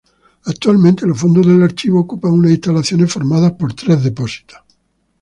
Actualmente los fondos del archivo ocupan unas instalaciones formadas por tres depósitos.